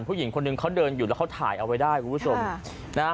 ผู้หญิงคนหนึ่งเขาเดินอยู่แล้วถ่ายเอาไว้ได้ครับทุกผู้ชม